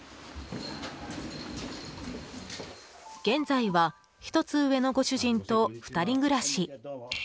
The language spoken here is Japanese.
現在は１つ上のご主人と２人暮らし。